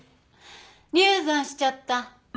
流産しちゃった。